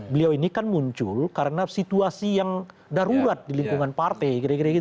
beliau ini kan muncul karena situasi yang darurat di lingkungan partai